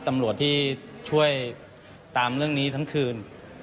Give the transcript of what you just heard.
ตำรวจที่ช่วยตามเรื่องนี้ทั้งคืน